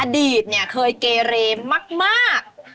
อดีตเคยเกเรมาก